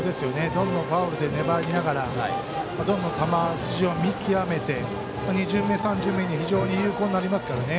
どんどんファウルで粘りながら球筋を見極めて２巡目３巡目に非常に有効になりますからね。